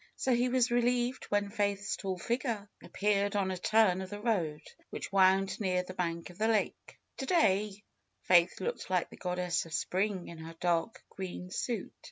So he was relieved when Faith's tall figure appeared on a turn of the road, which wound near the bank of the lake. To day Faith looked like the goddess of spring in her dark green suit.